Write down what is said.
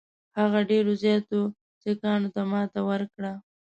هغه ډېرو زیاتو سیکهانو ته ماته ورکړه.